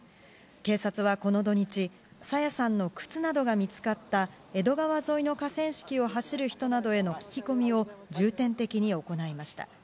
警察はこの土日、朝芽さんの靴などが見つかった、江戸川沿いの河川敷を走る人などへの聞き込みを重点的に行いました。